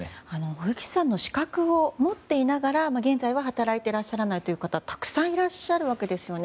保育士さんの資格を持っていながら現在は働いていらっしゃらない方たくさんいらっしゃるわけですよね。